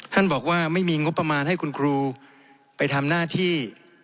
บอกว่าไม่มีงบประมาณให้คุณครูไปทำหน้าที่